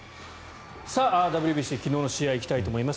ＷＢＣ昨日の試合行きたいと思います。